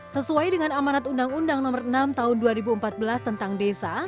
sesuai dengan amanat undang undang nomor enam tahun dua ribu empat belas tentang desa